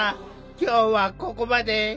今日はここまで。